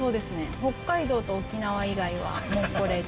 北海道と沖縄以外は、もうこれで。